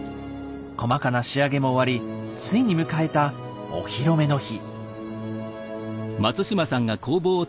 細かな仕上げも終わりついに迎えたお披露目の日。